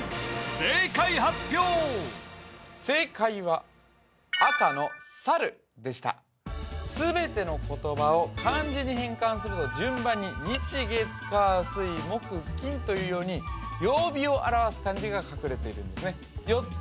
正解発表正解は赤のさるでした全ての言葉を漢字に変換すると順番に日月火水木金というように曜日を表す漢字が隠れているんですねよって